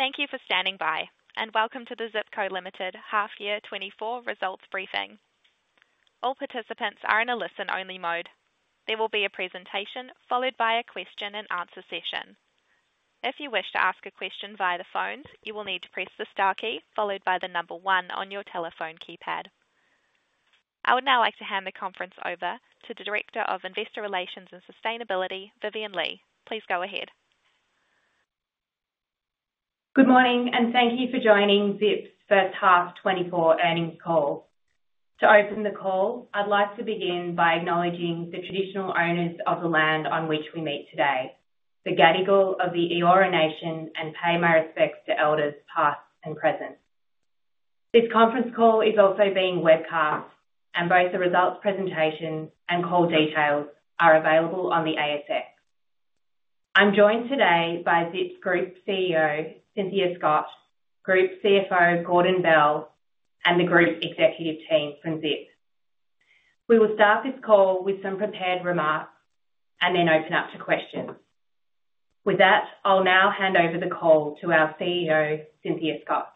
Thank you for standing by, and welcome to the Zip Co Limited half year 2024 results briefing. All participants are in a listen-only mode. There will be a presentation, followed by a question and answer session. If you wish to ask a question via the phone, you will need to press the star key, followed by the number one on your telephone keypad. I would now like to hand the conference over to the Director of Investor Relations and Sustainability, Vivienne Lee. Please go ahead. Good morning, and thank you for joining Zip's first half 2024 earnings call. To open the call, I'd like to begin by acknowledging the traditional owners of the land on which we meet today, the Gadigal of the Eora Nation, and pay my respects to elders, past and present. This conference call is also being webcast, and both the results, presentation, and call details are available on the ASX. I'm joined today by Zip's Group CEO, Cynthia Scott, Group CFO, Gordon Bell, and the group executive team from Zip. We will start this call with some prepared remarks and then open up to questions. With that, I'll now hand over the call to our CEO, Cynthia Scott.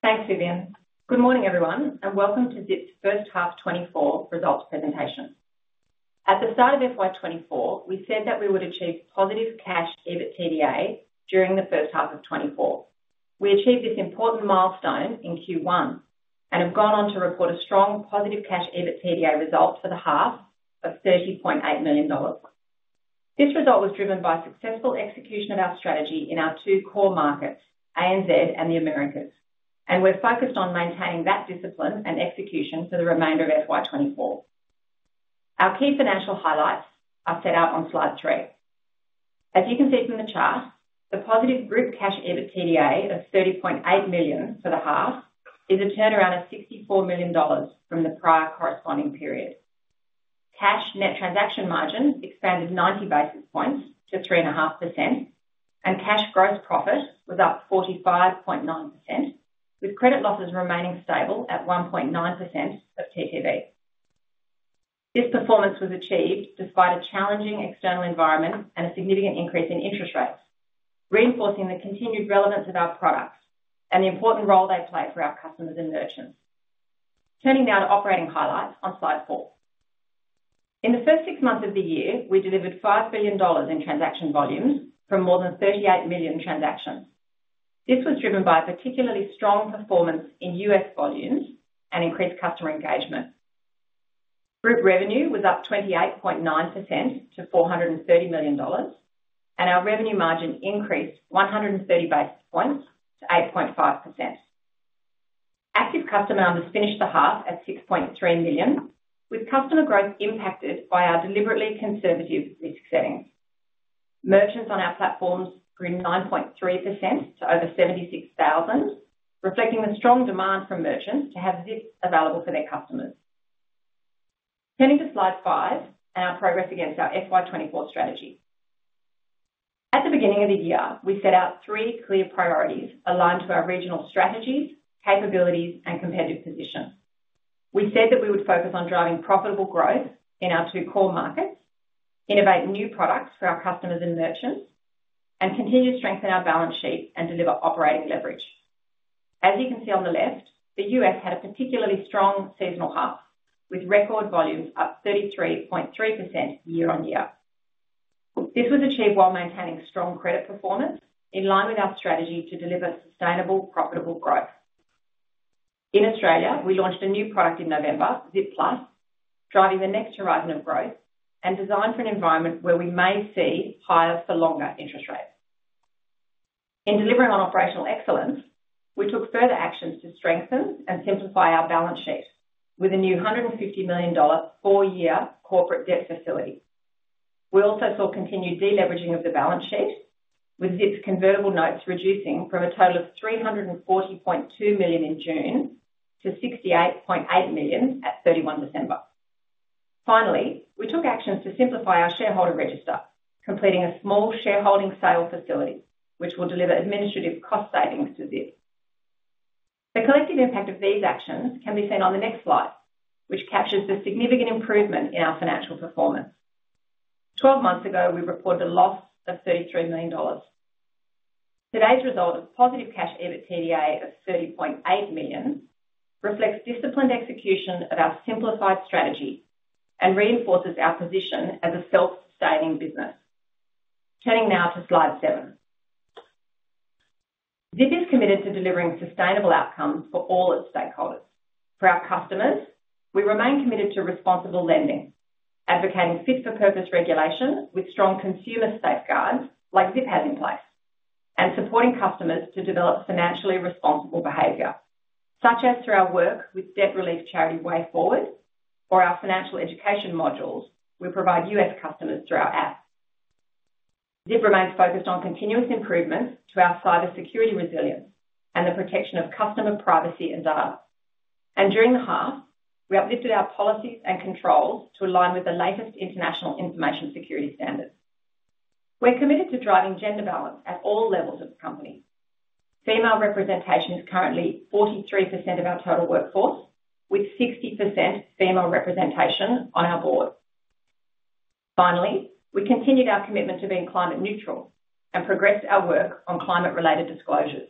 Thanks, Vivienne. Good morning, everyone, and welcome to Zip's first half 2024 results presentation. At the start of FY 2024, we said that we would achieve positive Cash EBITDA during the first half of 2024. We achieved this important milestone in Q1 and have gone on to report a strong positive Cash EBITDA result for the half of 30.8 million dollars. This result was driven by successful execution of our strategy in our two core markets, ANZ and the Americas, and we're focused on maintaining that discipline and execution for the remainder of FY 2024. Our key financial highlights are set out on slide three. As you can see from the chart, the positive group Cash EBITDA of 30.8 million for the half is a turnaround of 64 million dollars from the prior corresponding period. Cash net transaction margin expanded 90 basis points to 3.5%, and cash gross profit was up 45.9%, with credit losses remaining stable at 1.9% of TPV. This performance was achieved despite a challenging external environment and a significant increase in interest rates, reinforcing the continued relevance of our products and the important role they play for our customers and merchants. Turning now to operating highlights on slide four. In the first six months of the year, we delivered 5 billion dollars in transaction volumes from more than 38 million transactions. This was driven by a particularly strong performance in U.S. volumes and increased customer engagement. Group revenue was up 28.9% to 430 million dollars, and our revenue margin increased 130 basis points to 8.5%. Active customer numbers finished the half at 6.3 million, with customer growth impacted by our deliberately conservative risk settings. Merchants on our platforms grew 9.3% to over 76,000, reflecting the strong demand from merchants to have Zip available for their customers. Turning to slide five and our progress against our FY 2024 strategy. At the beginning of the year, we set out three clear priorities aligned to our regional strategies, capabilities, and competitive position. We said that we would focus on driving profitable growth in our two core markets, innovate new products for our customers and merchants, and continue to strengthen our balance sheet and deliver operating leverage. As you can see on the left, the U.S. had a particularly strong seasonal half, with record volumes up 33.3% year-on-year. This was achieved while maintaining strong credit performance, in line with our strategy to deliver sustainable, profitable growth. In Australia, we launched a new product in November, Zip Plus, driving the next horizon of growth and designed for an environment where we may see higher for longer interest rates. In delivering on operational excellence, we took further actions to strengthen and simplify our balance sheet with a new 150 million dollar four-year corporate debt facility. We also saw continued deleveraging of the balance sheet, with Zip's convertible notes reducing from a total of 340.2 million in June to 68.8 million at 31 December. Finally, we took actions to simplify our shareholder register, completing a small shareholding sale facility, which will deliver administrative cost savings to Zip. The collective impact of these actions can be seen on the next slide, which captures the significant improvement in our financial performance. 12 months ago, we reported a loss of 33 million dollars. Today's result of positive Cash EBITDA of 30.8 million reflects disciplined execution of our simplified strategy and reinforces our position as a self-sustaining business. Turning now to slide seven. Zip is committed to delivering sustainable outcomes for all its stakeholders. For our customers, we remain committed to responsible lending, advocating fit-for-purpose regulation with strong consumer safeguards like Zip has in place, and supporting customers to develop financially responsible behavior, such as through our work with debt relief charity, Way Forward, or our financial education modules we provide U.S. customers through our app. Zip remains focused on continuous improvements to our cybersecurity resilience and the protection of customer privacy and data. During the half, we uplifted our policies and controls to align with the latest international information security standards. We're committed to driving gender balance at all levels of the company. Female representation is currently 43% of our total workforce, with 60% female representation on our board. Finally, we continued our commitment to being climate neutral and progressed our work on climate-related disclosures.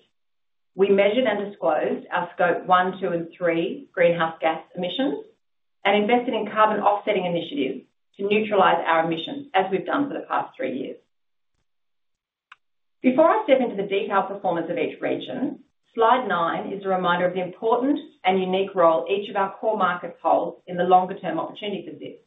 We measured and disclosed our scope one, two, and three greenhouse gas emissions, and invested in carbon offsetting initiatives to neutralize our emissions, as we've done for the past three years. Before I step into the detailed performance of each region, slide nine is a reminder of the important and unique role each of our core markets holds in the longer-term opportunity for Zip.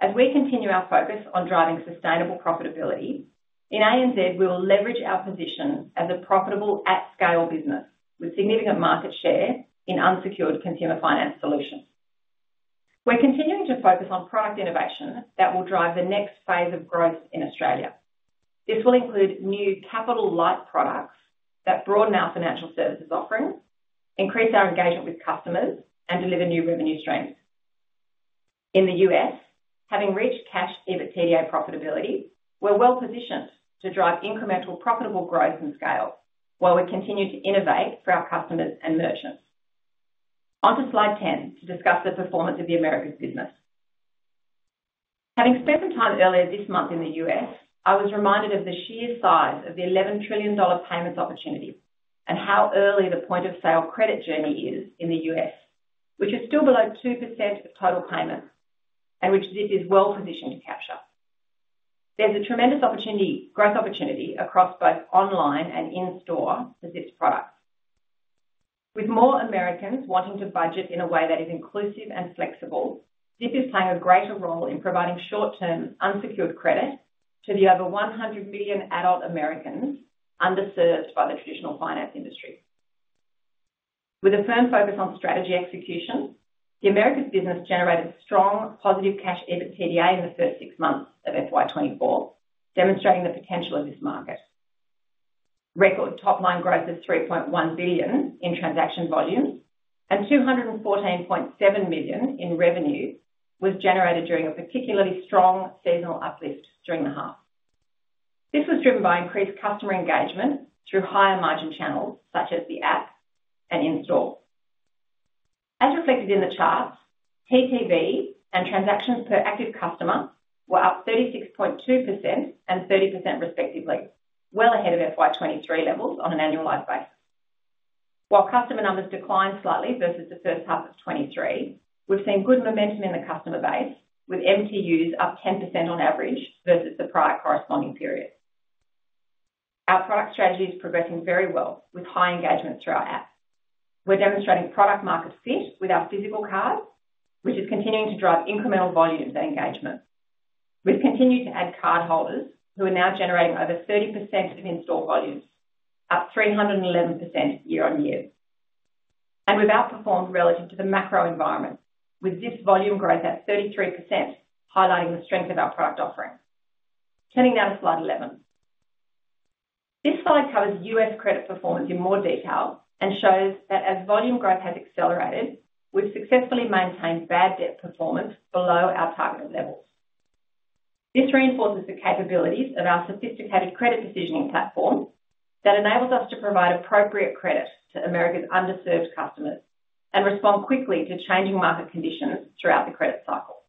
As we continue our focus on driving sustainable profitability, in ANZ, we will leverage our position as a profitable at-scale business with significant market share in unsecured consumer finance solutions. We're continuing to focus on product innovation that will drive the next phase of growth in Australia. This will include new capital-light products that broaden our financial services offerings, increase our engagement with customers, and deliver new revenue streams. In the U.S., having reached Cash EBITDA profitability, we're well-positioned to drive incremental profitable growth and scale, while we continue to innovate for our customers and merchants. Onto slide 10 to discuss the performance of the Americas business. Having spent some time earlier this month in the U.S., I was reminded of the sheer size of the $11 trillion payments opportunity and how early the point of sale credit journey is in the U.S., which is still below 2% of total payments and which this is well positioned to capture. There's a tremendous opportunity, growth opportunity, across both online and in-store for Zip's products. With more Americans wanting to budget in a way that is inclusive and flexible, Zip is playing a greater role in providing short-term, unsecured credit to the over 100 million adult Americans underserved by the traditional finance industry. With a firm focus on strategy execution, the Americas business generated strong positive Cash EBITDA in the first six months of FY 2024, demonstrating the potential of this market. Record top-line growth of 3.1 billion in transaction volume and 214.7 million in revenue was generated during a particularly strong seasonal uplift during the half. This was driven by increased customer engagement through higher margin channels, such as the app and in-store. As reflected in the charts, TPV and transactions per active customer were up 36.2% and 30% respectively, well ahead of FY 2023 levels on an annualized basis. While customer numbers declined slightly versus the first half of 2023, we've seen good momentum in the customer base, with MTUs up 10% on average versus the prior corresponding period. Our product strategy is progressing very well with high engagement through our app. We're demonstrating product market fit with our physical cards, which is continuing to drive incremental volumes and engagement. We've continued to add cardholders who are now generating over 30% of in-store volumes, up 311% year on year. We've outperformed relative to the macro environment, with Zip's volume growth at 33%, highlighting the strength of our product offering. Turning now to slide 11. This slide covers U.S. credit performance in more detail and shows that as volume growth has accelerated, we've successfully maintained bad debt performance below our targeted levels. This reinforces the capabilities of our sophisticated credit decisioning platform that enables us to provide appropriate credit to America's underserved customers and respond quickly to changing market conditions throughout the credit cycle.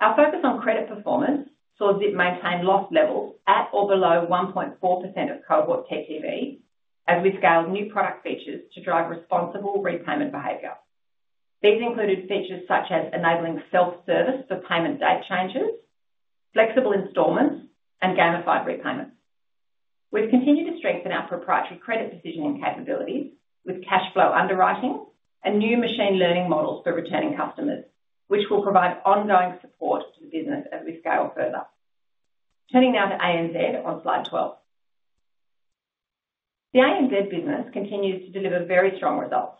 Our focus on credit performance saw Zip maintain loss levels at or below 1.4% of cohort TPV, as we scaled new product features to drive responsible repayment behavior. These included features such as enabling self-service for payment date changes, flexible installments, and gamified repayments. We've continued to strengthen our proprietary credit decisioning capabilities with cash flow underwriting and new machine learning models for returning customers, which will provide ongoing support to the business as we scale further. Turning now to ANZ on slide 12. The ANZ business continues to deliver very strong results.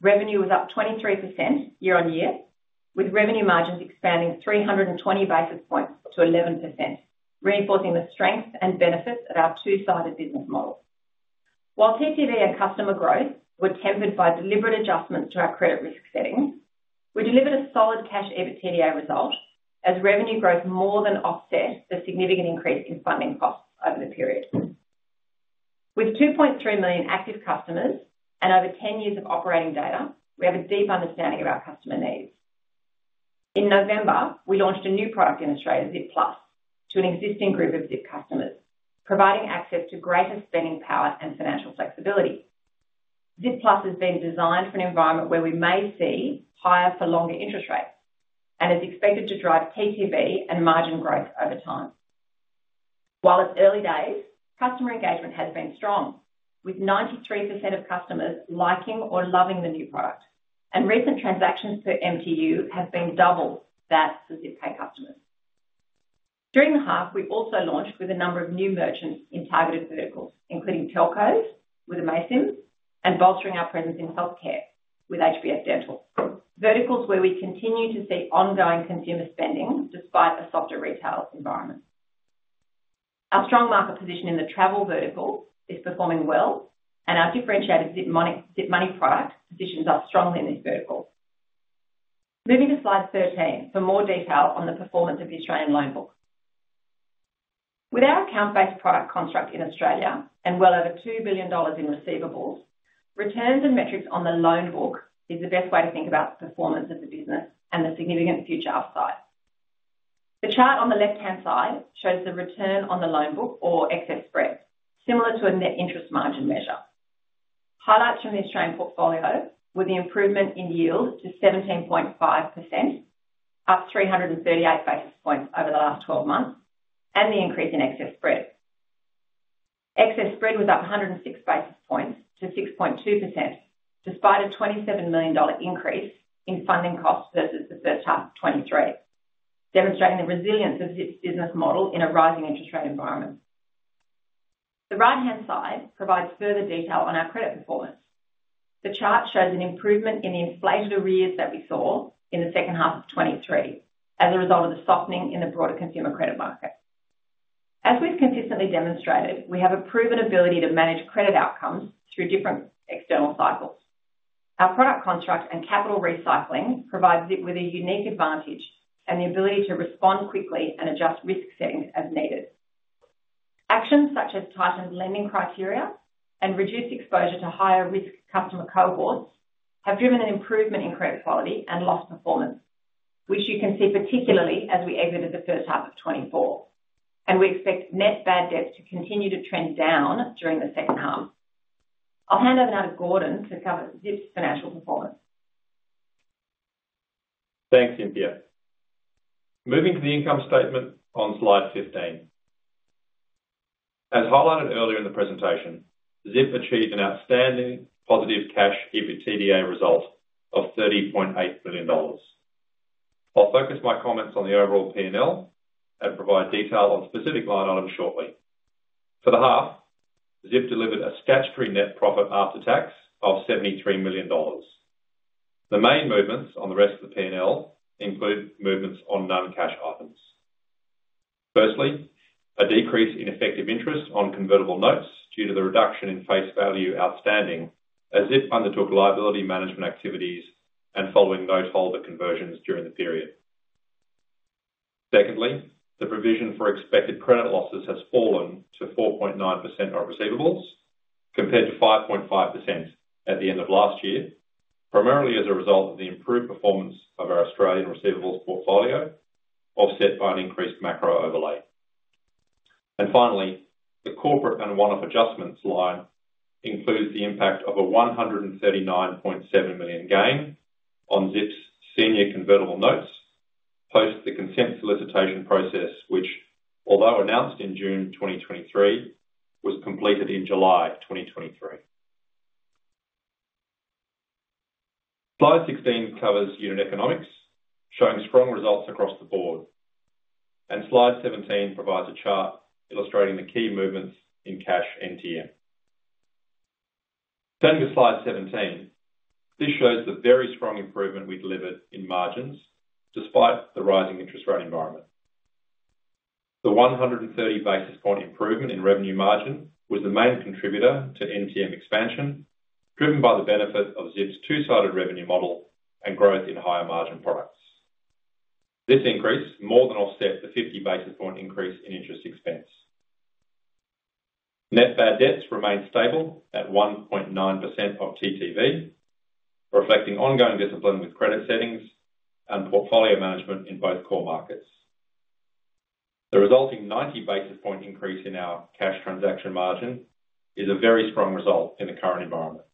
Revenue was up 23% year-on-year, with revenue margins expanding 320 basis points to 11%, reinforcing the strengths and benefits of our two-sided business model. While TPV and customer growth were tempered by deliberate adjustments to our credit risk settings, we delivered a solid Cash EBITDA result as revenue growth more than offset the significant increase in funding costs over the period. With 2.3 million active customers and over 10 years of operating data, we have a deep understanding of our customer needs. In November, we launched a new product in Australia, Zip Plus, to an existing group of Zip customers, providing access to greater spending power and financial flexibility. Zip Plus has been designed for an environment where we may see higher for longer interest rates and is expected to drive TPV and margin growth over time. While it's early days, customer engagement has been strong, with 93% of customers liking or loving the new product, and recent transactions per MTU have been double that for Zip Pay customers. During the half, we've also launched with a number of new merchants in targeted verticals, including telcos with Amaysim and bolstering our presence in healthcare with HBF Dental. Verticals where we continue to see ongoing consumer spending despite a softer retail environment. Our strong market position in the travel vertical is performing well, and our differentiated Zip Money product positions us strongly in this vertical. Moving to slide 13 for more detail on the performance of the Australian loan book. With our account-based product construct in Australia and well over 2 billion dollars in receivables, returns and metrics on the loan book is the best way to think about the performance of the business and the significant future upside. The chart on the left-hand side shows the return on the loan book or excess spread, similar to a net interest margin measure. Highlights from the Australian portfolio were the improvement in yield to 17.5%, up 338 basis points over the last 12 months, and the increase in excess spread. Excess spread was up 106 basis points to 6.2%, despite a 27 million dollar increase in funding costs versus the first half of 2023, demonstrating the resilience of its business model in a rising interest rate environment. The right-hand side provides further detail on our credit performance. The chart shows an improvement in the inflated arrears that we saw in the second half of 2023 as a result of the softening in the broader consumer credit market. As we've consistently demonstrated, we have a proven ability to manage credit outcomes through different external cycles. Our product contract and capital recycling provides it with a unique advantage and the ability to respond quickly and adjust risk settings as needed. Actions such as tightened lending criteria and reduced exposure to higher risk customer cohorts have driven an improvement in credit quality and loss performance, which you can see particularly as we exited the first half of 2024, and we expect net bad debt to continue to trend down during the second half. I'll hand over now to Gordon to cover Zip's financial performance. Thanks, Cynthia. Moving to the income statement on slide 15. As highlighted earlier in the presentation, Zip achieved an outstanding positive cash EBITDA result of 30.8 billion dollars. I'll focus my comments on the overall P&L and provide detail on specific line items shortly. For the half, Zip delivered a statutory net profit after tax of 73 million dollars. The main movements on the rest of the P&L include movements on non-cash items. Firstly, a decrease in effective interest on convertible notes due to the reduction in face value outstanding, as Zip undertook liability management activities and following those holder conversions during the period. Secondly, the provision for expected credit losses has fallen to 4.9% of receivables, compared to 5.5% at the end of last year, primarily as a result of the improved performance of our Australian receivables portfolio, offset by an increased macro overlay. And finally, the corporate and one-off adjustments line includes the impact of a $139.7 million gain on Zip's senior convertible notes post the consent solicitation process, which, although announced in June 2023, was completed in July 2023. Slide 16 covers unit economics, showing strong results across the board. And slide 17 provides a chart illustrating the key movements in Cash NTM. Turning to slide 17, this shows the very strong improvement we delivered in margins despite the rising interest rate environment. The 130 basis point improvement in revenue margin was the main contributor to NTM expansion, driven by the benefit of Zip's two-sided revenue model and growth in higher margin products. This increase more than offset the 50 basis point increase in interest expense. Net bad debts remained stable at 1.9% of TTV, reflecting ongoing discipline with credit settings and portfolio management in both core markets. The resulting 90 basis point increase in our cash transaction margin is a very strong result in the current environment.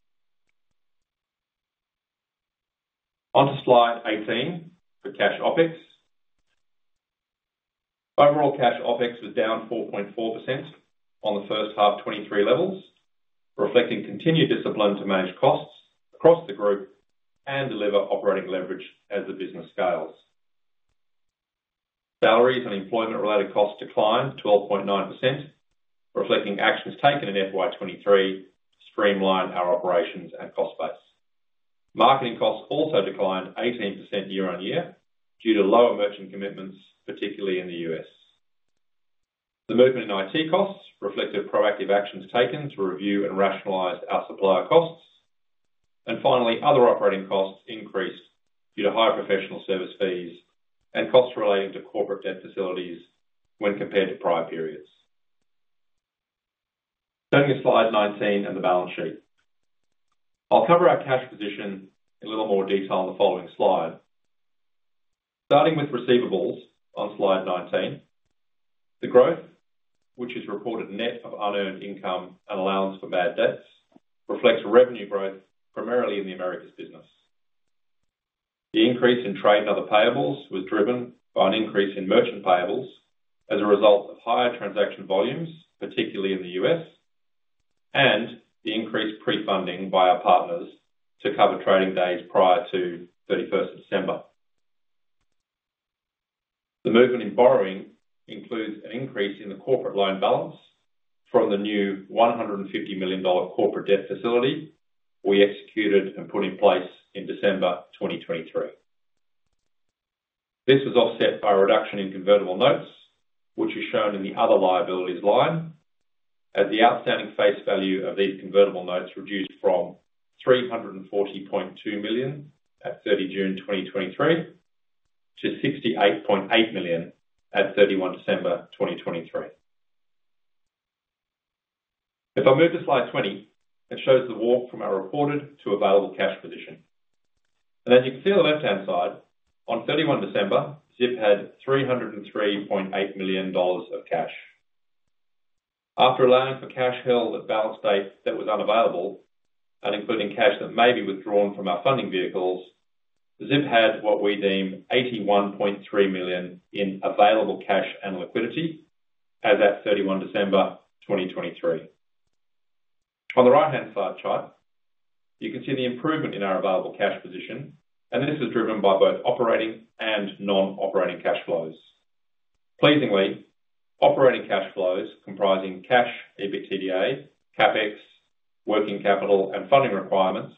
On to Slide 18, for cash OpEx. Overall, cash OpEx was down 4.4% on the first half of 2023 levels, reflecting continued discipline to manage costs across the group and deliver operating leverage as the business scales. Salaries and employment-related costs declined 12.9%, reflecting actions taken in FY 2023 to streamline our operations and cost base. Marketing costs also declined 18% year-on-year, due to lower merchant commitments, particularly in the U.S. The movement in IT costs reflected proactive actions taken to review and rationalize our supplier costs. And finally, other operating costs increased due to higher professional service fees and costs relating to corporate debt facilities when compared to prior periods. Turning to slide 19 and the balance sheet. I'll cover our cash position in a little more detail on the following slide. Starting with receivables on slide 19, the growth, which is reported net of unearned income and allowance for bad debts, reflects revenue growth primarily in the Americas business. The increase in trade and other payables was driven by an increase in merchant payables as a result of higher transaction volumes, particularly in the US, and the increased pre-funding by our partners to cover trading days prior to 31 December. The movement in borrowing includes an increase in the corporate loan balance from the new 150 million dollar corporate debt facility we executed and put in place in December 2023. This was offset by a reduction in convertible notes, which is shown in the other liabilities line, as the outstanding face value of these convertible notes reduced from $340.2 million at 30 June 2023, to $68.8 million at 31 December 2023. If I move to slide 20, it shows the walk from our reported to available cash position. As you can see on the left-hand side, on 31 December, Zip had 303.8 million dollars of cash. After allowing for cash held at balance date that was unavailable, and including cash that may be withdrawn from our funding vehicles, Zip had what we deem 81.3 million in available cash and liquidity as at 31 December 2023. On the right-hand side chart, you can see the improvement in our available cash position, and this is driven by both operating and non-operating cash flows. Pleasingly, operating cash flows, comprising cash, EBITDA, CapEx, working capital, and funding requirements,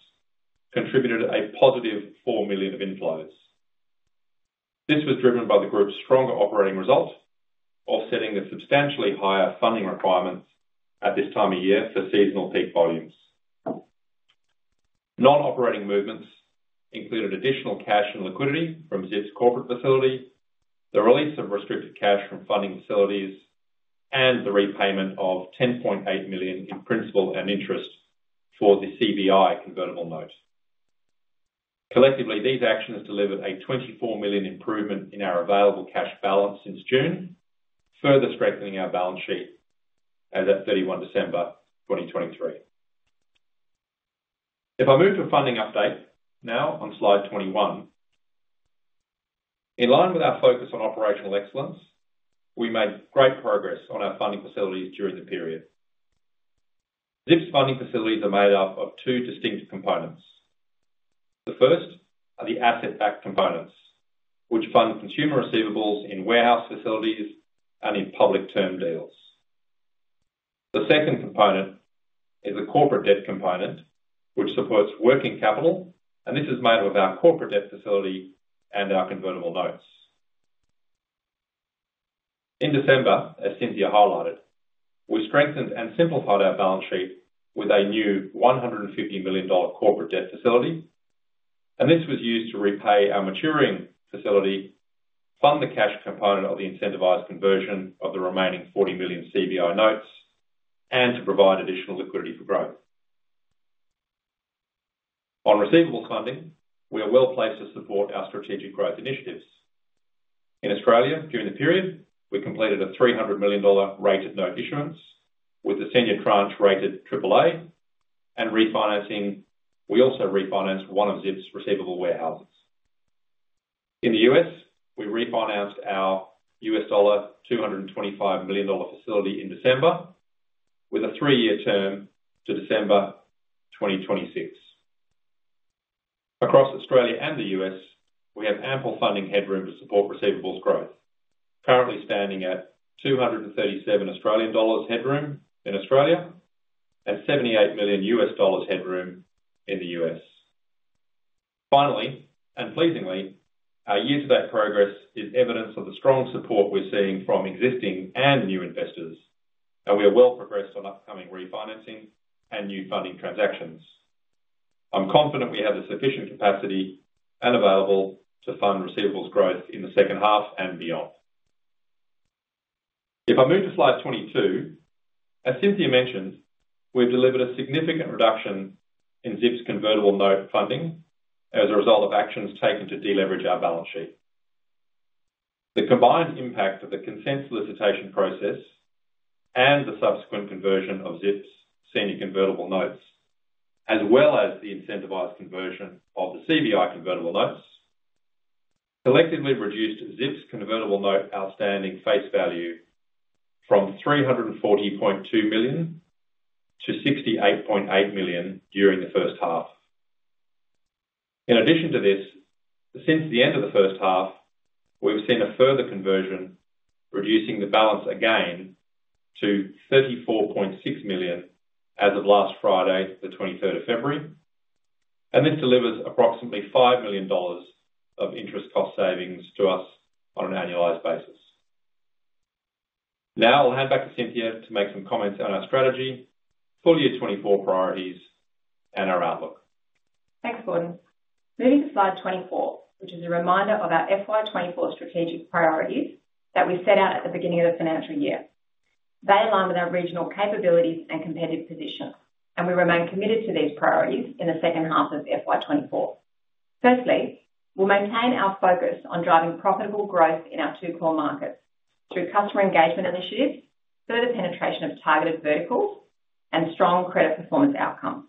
contributed a positive 4 million of inflows. This was driven by the group's stronger operating result, offsetting the substantially higher funding requirements at this time of year for seasonal peak volumes. Non-operating movements included additional cash and liquidity from Zip's corporate facility, the release of restricted cash from funding facilities, and the repayment of 10.8 million in principal and interest for the CVI convertible note. Collectively, these actions delivered a 24 million improvement in our available cash balance since June, further strengthening our balance sheet as at 31 December 2023. If I move to funding update now on slide 21. In line with our focus on operational excellence, we made great progress on our funding facilities during the period. Zip's funding facilities are made up of two distinct components. The first are the asset-backed components, which fund consumer receivables in warehouse facilities and in public term deals. The second component is a corporate debt component, which supports working capital, and this is made up of our corporate debt facility and our convertible notes. In December, as Cynthia highlighted, we strengthened and simplified our balance sheet with a new 150 million dollar corporate debt facility, and this was used to repay our maturing facility, fund the cash component of the incentivized conversion of the remaining 40 million convertible notes, and to provide additional liquidity for growth. On receivable funding, we are well placed to support our strategic growth initiatives. In Australia, during the period, we completed a 300 million dollar rated note issuance, with the senior tranche rated AAA and refinancing. We also refinanced one of Zip's receivable warehouses. In the U.S., we refinanced our $225 million facility in December, with a three-year term to December 2026. Across Australia and the U.S., we have ample funding headroom to support receivables growth, currently standing at 237 Australian dollars headroom in Australia and $78 million headroom in the U.S.. Finally, and pleasingly, our year-to-date progress is evidence of the strong support we're seeing from existing and new investors, and we are well progressed on upcoming refinancing and new funding transactions. I'm confident we have the sufficient capacity and available to fund receivables growth in the second half and beyond. If I move to slide 22, as Cynthia mentioned, we've delivered a significant reduction in Zip's convertible note funding as a result of actions taken to deleverage our balance sheet. The combined impact of the consent solicitation process and the subsequent conversion of Zip's senior convertible notes, as well as the incentivized conversion of the CBI convertible notes, collectively reduced Zip's convertible note outstanding face value from $340.2 million-$68.8 million during the first half. In addition to this, since the end of the first half, we've seen a further conversion, reducing the balance again to $34.6 million as of last Friday, the 23rd of February, and this delivers approximately $5 million of interest cost savings to us on an annualized basis. Now I'll hand back to Cynthia to make some comments on our strategy, full year 2024 priorities, and our outlook. Thanks, Gordon. Moving to slide 24, which is a reminder of our FY 2024 strategic priorities that we set out at the beginning of the financial year. They align with our regional capabilities and competitive position, and we remain committed to these priorities in the second half of FY 2024. Firstly, we'll maintain our focus on driving profitable growth in our two core markets through customer engagement initiatives, further penetration of targeted verticals, and strong credit performance outcomes.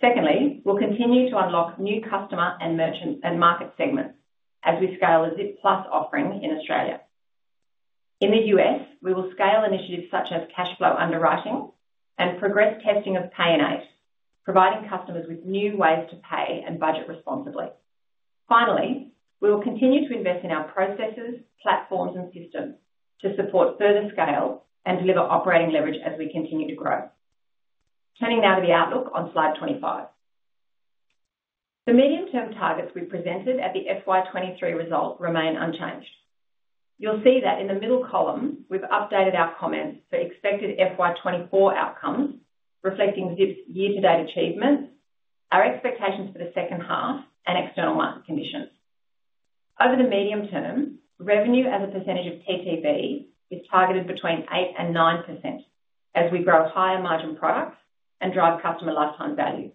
Secondly, we'll continue to unlock new customer and merchant and market segments as we scale the Zip Plus offering in Australia. In the US, we will scale initiatives such as cash flow underwriting and progress testing of Pay in 8, providing customers with new ways to pay and budget responsibly. Finally, we will continue to invest in our processes, platforms, and systems to support further scale and deliver operating leverage as we continue to grow. Turning now to the outlook on slide 25. The medium-term targets we presented at the FY 2023 result remain unchanged. You'll see that in the middle column, we've updated our comments for expected FY 2024 outcomes, reflecting Zip's year-to-date achievements, our expectations for the second half, and external market conditions. Over the medium term, revenue as a percentage of TPV is targeted between 8% and 9% as we grow higher margin products and drive customer lifetime value.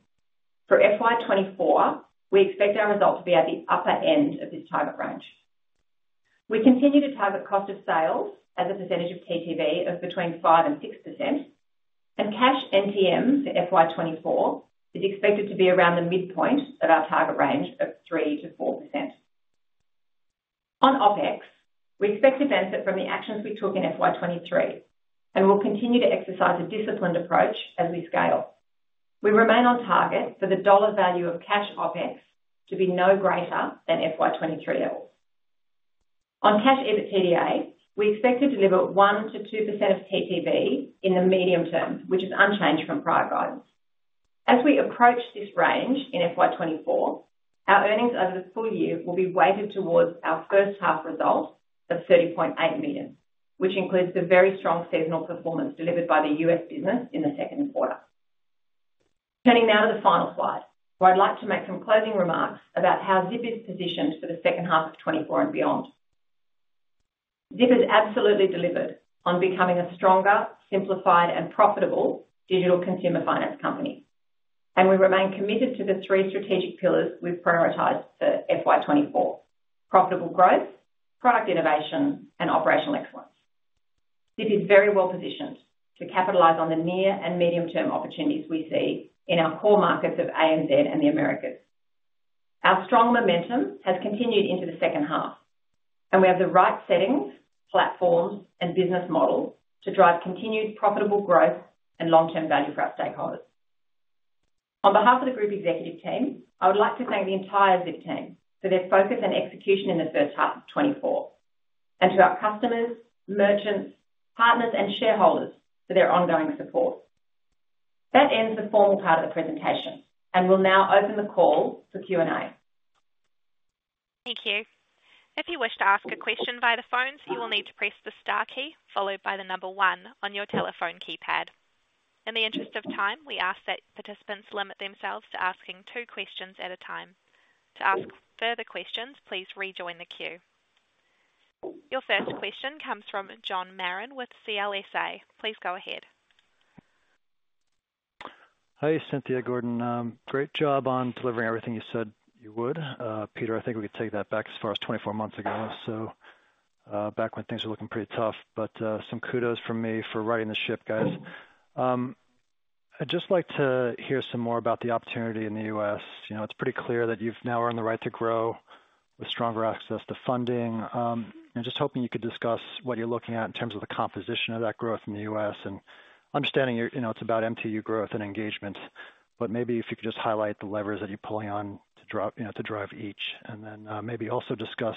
For FY 2024, we expect our results to be at the upper end of this target range. We continue to target cost of sales as a percentage of TPV of between 5% and 6%, and cash NTM for FY 2024 is expected to be around the midpoint of our target range of 3%-4%. On OpEx, we expect benefits from the actions we took in FY 2023, and we'll continue to exercise a disciplined approach as we scale. We remain on target for the dollar value of cash OpEx to be no greater than FY 2023 levels. On cash EBITDA, we expect to deliver 1%-2% of TPV in the medium term, which is unchanged from prior guidance. As we approach this range in FY 2024, our earnings over the full year will be weighted towards our first half result of 30.8 million, which includes the very strong seasonal performance delivered by the U.S. business in the second quarter. Turning now to the final slide, where I'd like to make some closing remarks about how Zip is positioned for the second half of 2024 and beyond. Zip has absolutely delivered on becoming a stronger, simplified, and profitable digital consumer finance company, and we remain committed to the three strategic pillars we've prioritized for FY 2024: profitable growth, product innovation, and operational excellence. Zip is very well positioned to capitalize on the near and medium-term opportunities we see in our core markets of ANZ and the Americas. Our strong momentum has continued into the second half, and we have the right settings, platforms, and business model to drive continued profitable growth and long-term value for our stakeholders. On behalf of the group executive team, I would like to thank the entire Zip team for their focus and execution in the first half of 2024, and to our customers, merchants, partners, and shareholders for their ongoing support. That ends the formal part of the presentation, and we'll now open the call for Q&A. Thank you. If you wish to ask a question via the phones, you will need to press the star key followed by the number one on your telephone keypad. In the interest of time, we ask that participants limit themselves to asking two questions at a time. To ask further questions, please rejoin the queue. Your first question comes from John Marrin with CLSA. Please go ahead. Hi, Cynthia, Gordon. Great job on delivering everything you said you would. Peter, I think we could take that back as far as 24 months ago, so, back when things were looking pretty tough. But, some kudos from me for righting the ship, guys. I'd just like to hear some more about the opportunity in the US. You know, it's pretty clear that you've now earned the right to grow with stronger access to funding. I'm just hoping you could discuss what you're looking at in terms of the composition of that growth in the U.S. and understanding your—you know, it's about MTU growth and engagement, but maybe if you could just highlight the levers that you're pulling on to you know, to drive each. And then, maybe also discuss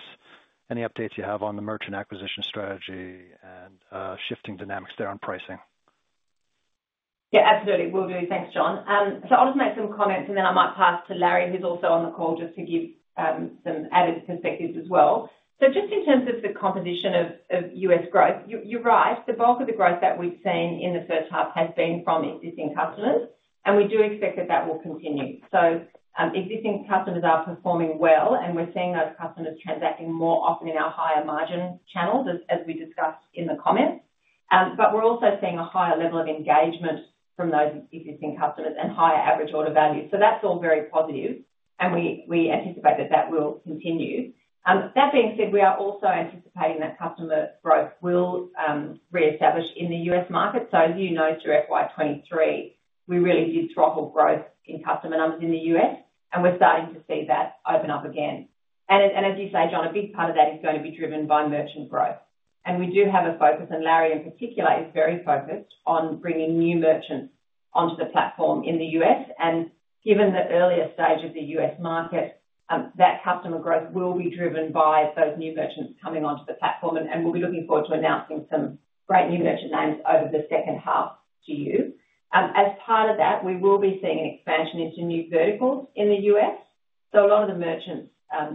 any updates you have on the merchant acquisition strategy and, shifting dynamics there on pricing. Yeah, absolutely. Will do. Thanks, John. So I'll just make some comments, and then I might pass to Larry, who's also on the call, just to give some added perspectives as well. So just in terms of the composition of U.S. growth, you're right, the bulk of the growth that we've seen in the first half has been from existing customers, and we do expect that that will continue. So, existing customers are performing well, and we're seeing those customers transacting more often in our higher margin channels, as we discussed in the comments. But we're also seeing a higher level of engagement from those existing customers and higher average order values. So that's all very positive, and we anticipate that that will continue. That being said, we are also anticipating that customer growth will reestablish in the U.S. market. So as you know, through FY 2023, we really did throttle growth in customer numbers in the U.S., and we're starting to see that open up again. And as you say, John, a big part of that is going to be driven by merchant growth. And we do have a focus, and Larry in particular is very focused on bringing new merchants onto the platform in the U.S. And given the earlier stage of the U.S. market, that customer growth will be driven by those new merchants coming onto the platform, and we'll be looking forward to announcing some great new merchant names over the second half to you. As part of that, we will be seeing an expansion into new verticals in the U.S. So a lot of the merchants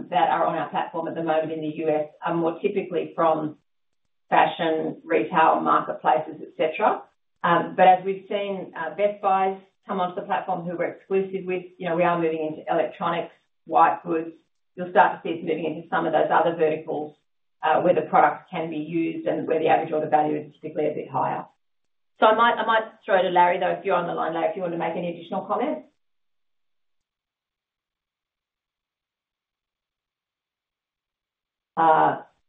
that are on our platform at the moment in the U.S. are more typically from fashion, retail, marketplaces, et cetera. But as we've seen, Best Buy come onto the platform, who we're exclusive with, you know, we are moving into electronics, white goods. You'll start to see us moving into some of those other verticals, where the products can be used and where the average order value is typically a bit higher. So I might, I might just throw to Larry, though, if you're on the line, Larry, do you want to make any additional comments?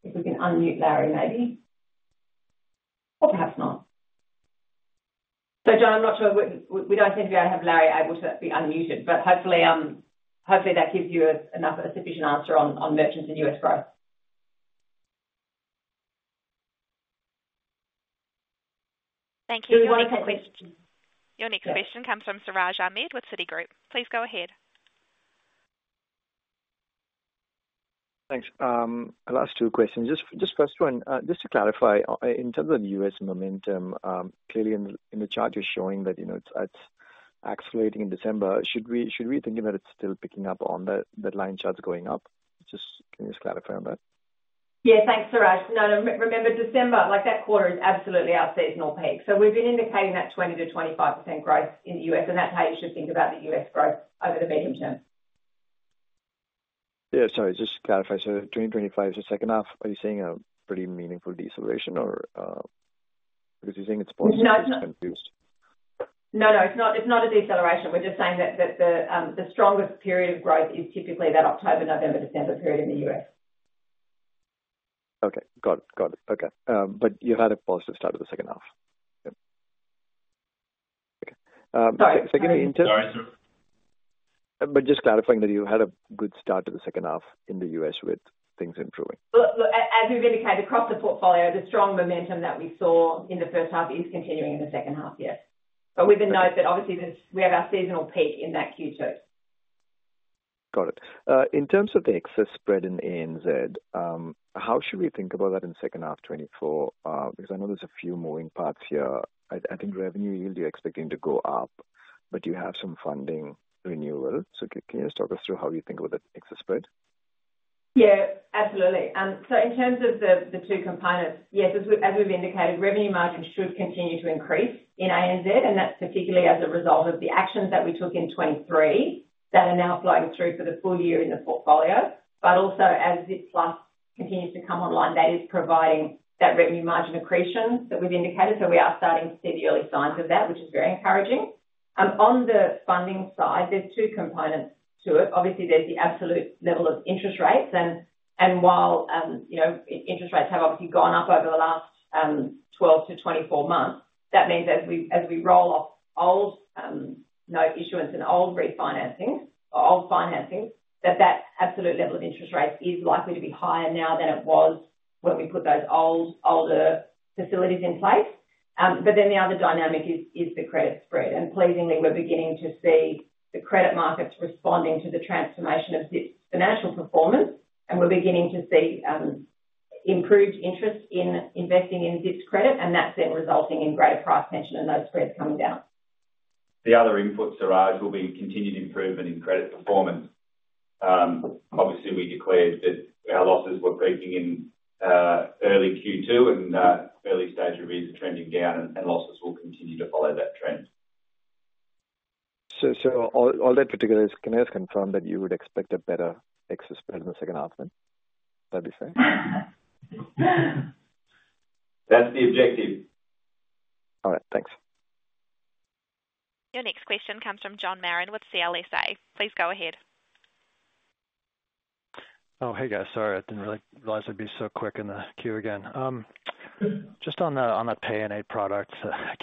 If we can unmute Larry, maybe. Or perhaps not. So John, I'm not sure, we don't seem to be able to have Larry able to be unmuted, but hopefully, hopefully, that gives you a sufficient answer on, on merchants and U.S. growth. Thank you. Your next question. Your next question comes from Siraj Ahmed with Citigroup. Please go ahead. ... Thanks. I'll ask two questions. Just the first one, just to clarify, in terms of the U.S. momentum, clearly in the chart, you're showing that, you know, it's accelerating in December. Should we be thinking that it's still picking up on the line charts going up? Just, can you just clarify on that? Yeah, thanks, Siraj. No, no, remember December, like, that quarter is absolutely our seasonal peak. So we've been indicating that 20%-25% growth in the U.S., and that's how you should think about the U.S. growth over the medium term. Yeah, sorry, just to clarify. So between 2025 to second half, are you saying a pretty meaningful deceleration or, because you're saying it's positive- No, it's not. Confused. No, no, it's not, it's not a deceleration. We're just saying that the strongest period of growth is typically that October, November, December period in the U.S. Okay. Got it. Got it. Okay. But you've had a positive start to the second half? Okay. Sorry, secondly, in terms- Sorry, Siraj. Just clarifying that you had a good start to the second half in the U.S. with things improving. Look, as we've indicated across the portfolio, the strong momentum that we saw in the first half is continuing in the second half, yes. But we did note that obviously, there's—we have our seasonal peak in that Q2. Got it. In terms of the Excess Spread in ANZ, how should we think about that in second half 2024? Because I know there's a few moving parts here. I think revenue yield, you're expecting to go up, but you have some funding renewal. So can you just talk us through how you think about that Excess Spread? Yeah, absolutely. So in terms of the two components, yes, as we've indicated, revenue margins should continue to increase in ANZ, and that's particularly as a result of the actions that we took in 2023, that are now flowing through for the full year in the portfolio. But also, as Zip Plus continues to come online, that is providing that revenue margin accretion that we've indicated. So we are starting to see the early signs of that, which is very encouraging. On the funding side, there's two components to it. Obviously, there's the absolute level of interest rates and while, you know, interest rates have obviously gone up over the last 12-24 months, that means as we roll off old note issuance and old refinancing or old financings, that that absolute level of interest rates is likely to be higher now than it was when we put those old, older facilities in place. But then the other dynamic is the credit spread. And pleasingly, we're beginning to see the credit markets responding to the transformation of the financial performance, and we're beginning to see improved interest in investing in this credit, and that's then resulting in greater price tension and those spreads coming down. The other input, Siraj, will be continued improvement in credit performance. Obviously, we declared that our losses were peaking in early Q2, and early stage reviews are trending down, and losses will continue to follow that trend. So, all that particulars, can I confirm that you would expect a better exit spread in the second half then? That be fair? That's the objective. All right, thanks. Your next question comes from John Marrin with CLSA. Please go ahead. Oh, hey, guys. Sorry, I didn't realize it would be so quick in the queue again. Just on the, on the Pay in 8 product,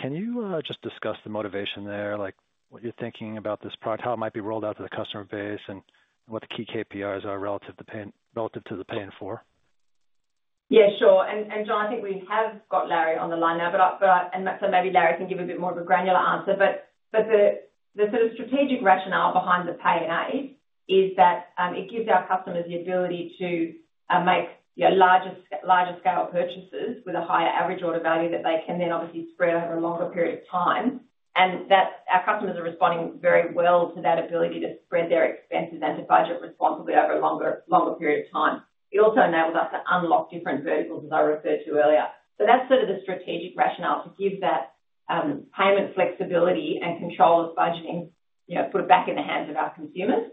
can you just discuss the motivation there, like what you're thinking about this product, how it might be rolled out to the customer base, and what the key KPIs are relative to Pay, relative to the Pay in 4? Yeah, sure. And John, I think we have got Larry on the line now, but I... And so maybe Larry can give a bit more of a granular answer. But the sort of strategic rationale behind the Pay in 8 is that it gives our customers the ability to make, you know, larger scale purchases with a higher average order value, that they can then obviously spread over a longer period of time. And that's—our customers are responding very well to that ability to spread their expenses and to budget responsibly over a longer period of time. It also enables us to unlock different verticals, as I referred to earlier. So that's sort of the strategic rationale, to give that payment flexibility and control of budgeting, you know, put it back in the hands of our consumers.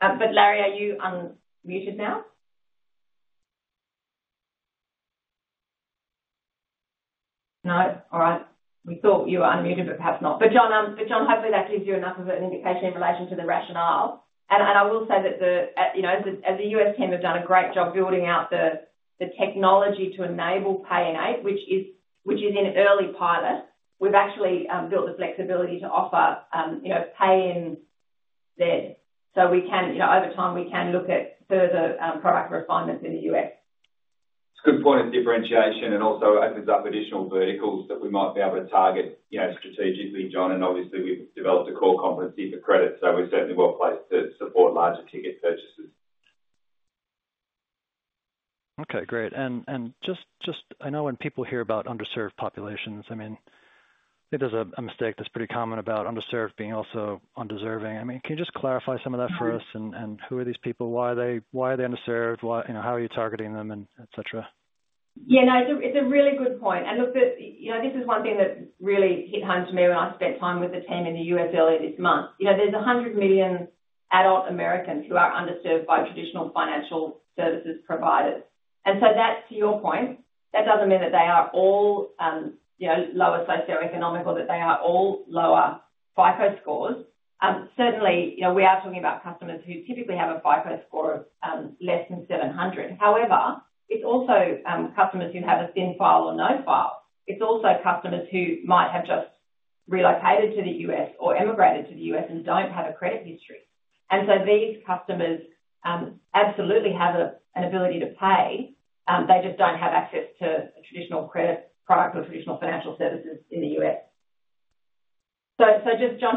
But Larry, are you unmuted now? No? All right. We thought you were unmuted, but perhaps not. But John, hopefully that gives you enough of an indication in relation to the rationale. And I will say that the, you know, the U.S. team have done a great job building out the technology to enable Pay in 8, which is in an early pilot. We've actually built the flexibility to offer, you know, Pay in 10. So we can, you know, over time, we can look at further product refinements in the U.S. It's a good point of differentiation and also opens up additional verticals that we might be able to target, you know, strategically, John. Obviously, we've developed a core competency for credit, so we're certainly well placed to support larger ticket purchases. Okay, great. And just, I know when people hear about underserved populations, I mean, there's a mistake that's pretty common about underserved being also undeserving. I mean, can you just clarify some of that for us? And who are these people? Why are they underserved? What, you know, how are you targeting them and et cetera? Yeah, no, it's a, it's a really good point. And look, the, you know, this is one thing that really hit home to me when I spent time with the team in the U.S. earlier this month. You know, there's 100 million adult Americans who are underserved by traditional financial services providers. And so that, to your point, that doesn't mean that they are all, you know, lower socioeconomic or that they are all lower FICO scores. Certainly, you know, we are talking about customers who typically have a FICO score of, less than 700. However, it's also, customers who have a thin file or no file. It's also customers who might have just relocated to the U.S. or emigrated to the U.S. and don't have a credit history. So these customers absolutely have an ability to pay, they just don't have access to traditional credit products or traditional financial services in the U.S. So just, John,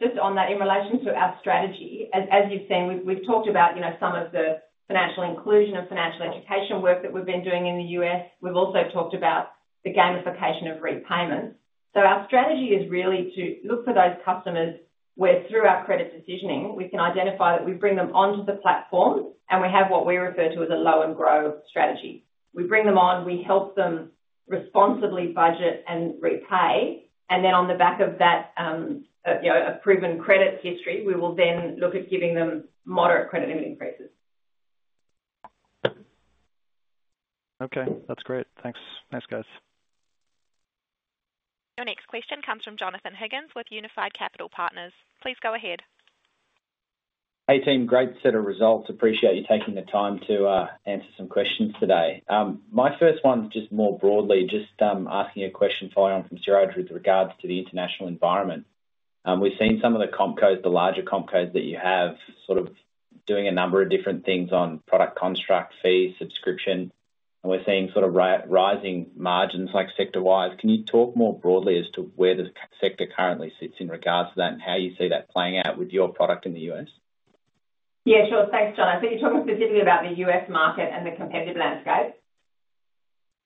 just on that, in relation to our strategy, as you've seen, we've talked about, you know, some of the financial inclusion and financial education work that we've been doing in the U.S. We've also talked about the gamification of repayments. So our strategy is really to look for those customers, where through our credit decisioning, we can identify that we bring them onto the platform, and we have what we refer to as a low and grow strategy. We bring them on, we help them responsibly budget and repay, and then on the back of that, you know, a proven credit history, we will then look at giving them moderate credit limit increases. Okay, that's great. Thanks. Thanks, guys. Your next question comes from Jonathon Higgins with Unified Capital Partners. Please go ahead. Hey, team, great set of results. Appreciate you taking the time to answer some questions today. My first one's just more broadly, just asking a question following on from Gerard, with regards to the international environment. We've seen some of the comp cos, the larger comp cos that you have, sort of doing a number of different things on product construct, fees, subscription, and we're seeing sort of rising margins, like, sector-wise. Can you talk more broadly as to where the sector currently sits in regards to that, and how you see that playing out with your product in the U.S.? Yeah, sure. Thanks, Jono. I think you're talking specifically about the U.S. market and the competitive landscape?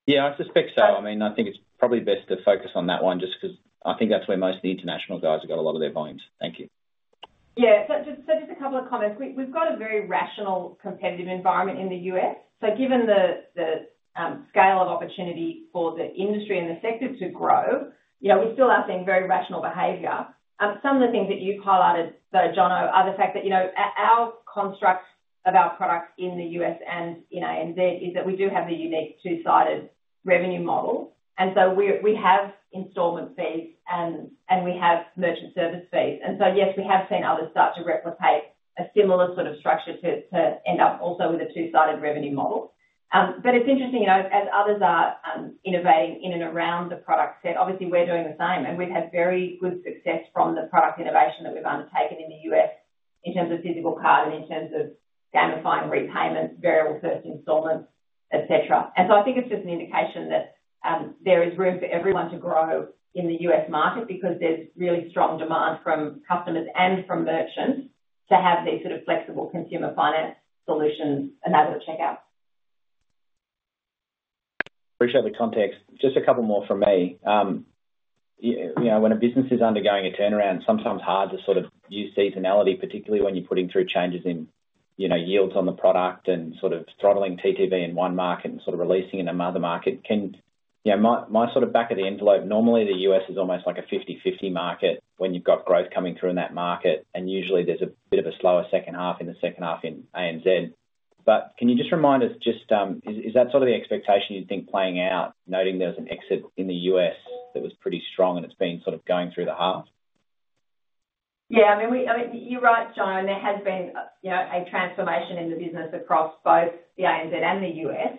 Yeah, I suspect so. I mean, I think it's probably best to focus on that one, just 'cause I think that's where most of the international guys have got a lot of their volumes. Thank you. Yeah. So just a couple of comments. We've got a very rational, competitive environment in the U.S., so given the scale of opportunity for the industry and the sector to grow, you know, we still are seeing very rational behavior. Some of the things that you've highlighted, though, Jono, are the fact that, you know, our constructs of our products in the U.S. and in ANZ is that we do have the unique two-sided revenue model, and so we, we have installment fees and we have merchant service fees. And so, yes, we have seen others start to replicate a similar sort of structure to end up also with a two-sided revenue model. But it's interesting, you know, as others are innovating in and around the product set, obviously, we're doing the same, and we've had very good success from the product innovation that we've undertaken in the U.S. in terms of physical card and in terms of gamifying repayments, variable first installments, et cetera. And so I think it's just an indication that there is room for everyone to grow in the U.S. market, because there's really strong demand from customers and from merchants to have these sort of flexible consumer finance solutions enabled at checkout. Appreciate the context. Just a couple more from me. You know, when a business is undergoing a turnaround, sometimes hard to sort of use seasonality, particularly when you're putting through changes in, you know, yields on the product and sort of throttling TTV in one market and sort of releasing in another market. Can you know, my, my sort of back of the envelope, normally, the U.S. is almost like a 50/50 market when you've got growth coming through in that market, and usually there's a bit of a slower second half in the second half in ANZ. But can you just remind us, just, is, is that sort of the expectation you'd think playing out, noting there was an exit in the U.S. that was pretty strong, and it's been sort of going through the half? Yeah, I mean, you're right, John, there has been a, you know, a transformation in the business across both the ANZ and the U.S.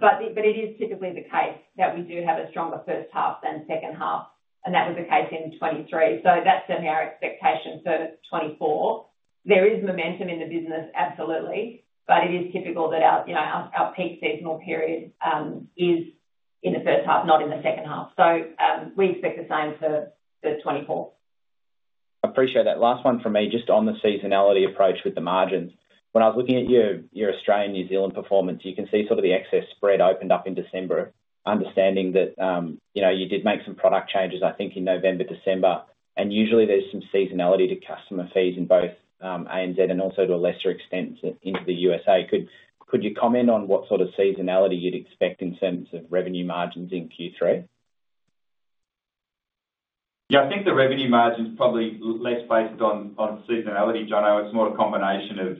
But it is typically the case that we do have a stronger first half than second half, and that was the case in 2023, so that's been our expectation. So to 2024, there is momentum in the business, absolutely, but it is typical that our, you know, our peak seasonal period is in the first half, not in the second half. So, we expect the same for the 2024. Appreciate that. Last one from me, just on the seasonality approach with the margins. When I was looking at your Australian, New Zealand performance, you can see sort of the Excess Spread opened up in December. Understanding that, you know, you did make some product changes, I think, in November, December, and usually there's some seasonality to customer fees in both, ANZ and also to a lesser extent, into the USA. Could you comment on what sort of seasonality you'd expect in terms of revenue margins in Q3? Yeah, I think the revenue margin is probably less based on, on seasonality, Jono. It's more a combination of,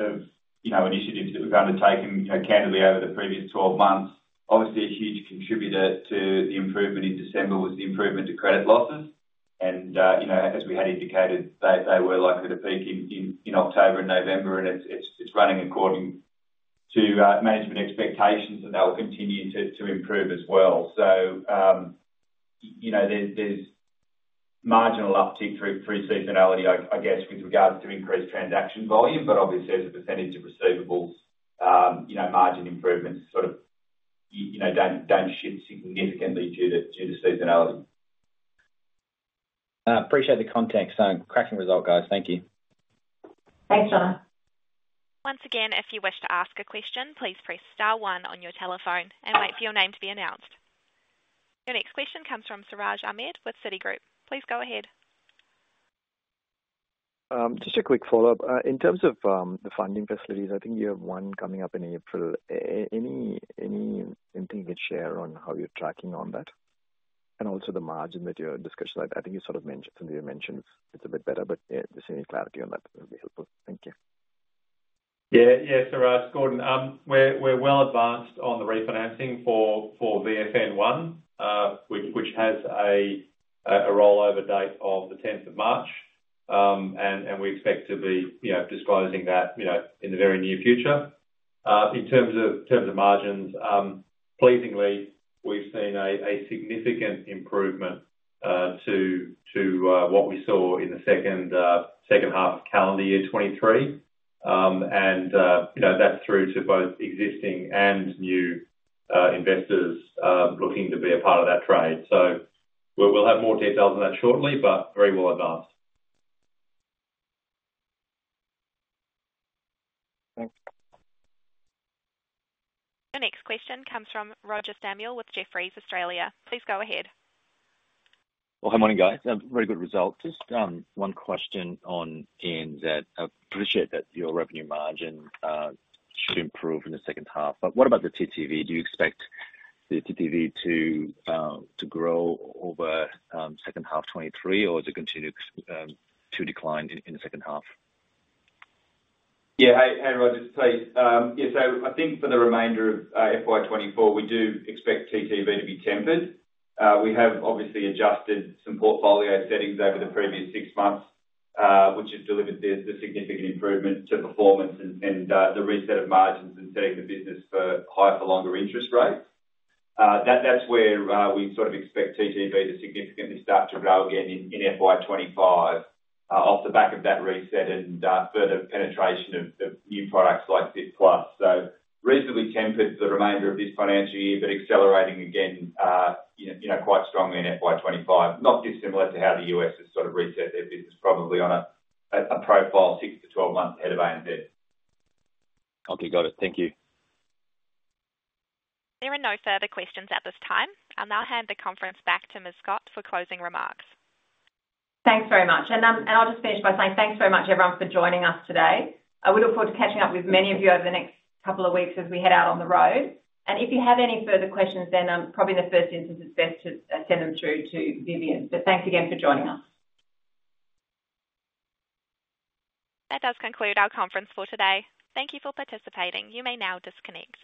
of, you know, initiatives that we've undertaken, you know, candidly over the previous 12 months. Obviously, a huge contributor to the improvement in December was the improvement to credit losses, and, you know, as we had indicated, they, they were likely to peak in, in, in October and November, and it's, it's, it's running according to, management expectations, and they'll continue to, to improve as well. So, you know, there's, there's marginal uptick through, through seasonality, I, I guess, with regards to increased transaction volume, but obviously, as a percentage of receivables, you know, margin improvements sort of, you know, don't, don't shift significantly due to, due to seasonality. Appreciate the context. Cracking result, guys. Thank you. Thanks, Jono. Once again, if you wish to ask a question, please press star one on your telephone and wait for your name to be announced. Your next question comes from Siraj Ahmed with Citigroup. Please go ahead. Just a quick follow-up. In terms of the funding facilities, I think you have one coming up in April. Anything you could share on how you're tracking on that? And also the margin that you're discussing, I think you sort of mentioned, you mentioned it's a bit better, but just any clarity on that would be helpful. Thank you. Yeah. Yeah, Siraj, it's Gordon. We're well advanced on the refinancing for VFN 1, which has a rollover date of the 10th of March. And we expect to be, you know, disclosing that, you know, in the very near future. In terms of margins, pleasingly, we've seen a significant improvement to what we saw in the second half of calendar year 2023. And, you know, that's through to both existing and new investors looking to be a part of that trade. So we'll have more details on that shortly, but very well advanced. Thanks. Your next question comes from Roger Samuel with Jefferies, Australia. Please go ahead. Well, good morning, guys. Very good result. Just one question on ANZ. I appreciate that your revenue margin should improve in the second half, but what about the TTV? Do you expect the TTV to grow over second half 2023, or to continue to decline in the second half? Yeah. Hey, hey, Roger. It's Pete. Yeah, so I think for the remainder of FY 2024, we do expect TTV to be tempered. We have obviously adjusted some portfolio settings over the previous six months, which has delivered the significant improvement to performance and the reset of margins and setting the business for higher for longer interest rates. That's where we sort of expect TTV to significantly start to grow again in FY 2025, off the back of that reset and further penetration of new products like Zip Plus. So reasonably tempered for the remainder of this financial year, but accelerating again, you know, quite strongly in FY 2025. Not dissimilar to how the U.S. has sort of reset their business, probably on a profile six to 12 months ahead of ANZ. Okay, got it. Thank you. There are no further questions at this time. I'll now hand the conference back to Ms. Scott for closing remarks. Thanks very much. And, and I'll just finish by saying thanks very much everyone, for joining us today. I would look forward to catching up with many of you over the next couple of weeks as we head out on the road. And if you have any further questions, then, probably the first instance it's best to send them through to Vivienne. But thanks again for joining us. That does conclude our conference for today. Thank you for participating. You may now disconnect.